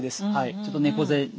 ちょっと猫背で。